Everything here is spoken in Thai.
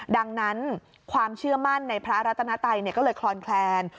ดังนั้นความเชื่อมั่นในพระรัตนาไตยก็เลยคลอนแคลน